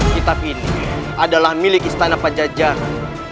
kitab ini adalah milik istana pak jajan